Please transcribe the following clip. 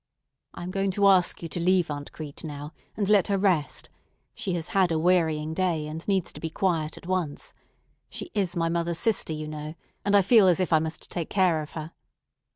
I am going to ask you to leave Aunt Crete now, and let her rest. She has had a wearying day, and needs to be quiet at once. She is my mother's sister, you know, and I feel as if I must take care of her."